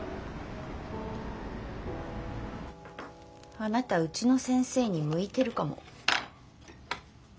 あなたうちの先生に向いてるかも。